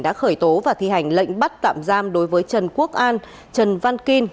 đã khởi tố và thi hành lệnh bắt tạm giam đối với trần quốc an trần văn kim